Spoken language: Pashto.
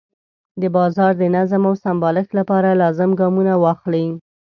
د بازار د نظم او سمبالښت لپاره لازم ګامونه واخلي.